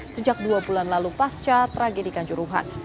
sejak dua bulan lalu pasca tragedikan juruhan